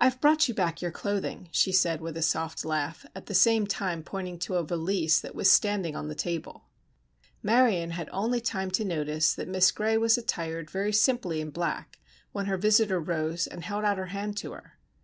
"I've brought you back your clothing," she said, with a soft laugh, at the same time pointing to a valise that was standing on the table. Marion had only time to notice that Miss Gray was attired very simply in black, when her visitor rose and held out her hand to her.